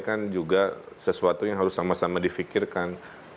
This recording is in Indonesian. kan juga sesuatu yang harus sama sama difikirkan